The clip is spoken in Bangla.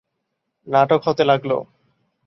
নাটক হতে লাগল।